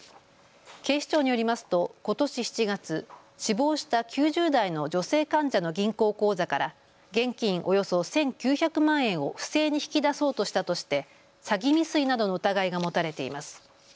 警視庁によりますとことし７月、死亡した９０代の女性患者の銀行口座から現金およそ１９００万円を不正に引き出そうとしたとして詐欺未遂などの疑いが持たれています。